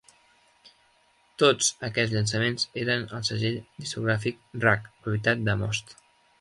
Tots aquests llançaments eren al segell discogràfic Rak, propietat de Most.